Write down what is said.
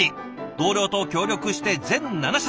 同僚と協力して全７品。